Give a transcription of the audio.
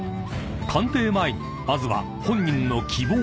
［鑑定前にまずは本人の希望価格］